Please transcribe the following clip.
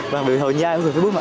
và đối hợp như ai cũng có facebook ạ